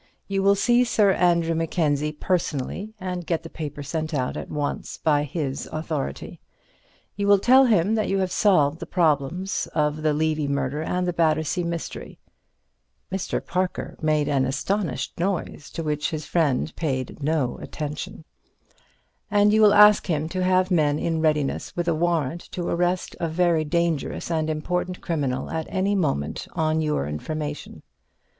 You will see Sir Andrew Mackenzie personally, and get the paper sent out at once, by his authority; you will tell him that you have solved the problems of the Levy murder and the Battersea mystery"—Mr. Parker made an astonished noise to which his friend paid no attention—"and you will ask him to have men in readiness with a warrant to arrest a very dangerous and important criminal at any moment on your information.